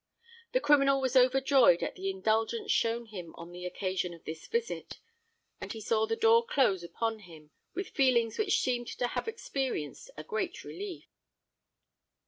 The criminal was overjoyed at the indulgence shown him on the occasion of this visit: and he saw the door close upon him with feelings which seemed to have experienced a great relief.